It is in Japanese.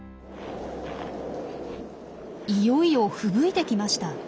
いよいよふぶいてきました。